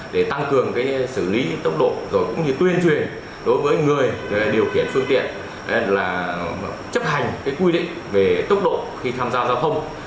để tăng cường xử lý tốc độ rồi cũng như tuyên truyền đối với người điều khiển phương tiện là chấp hành quy định về tốc độ khi tham gia giao thông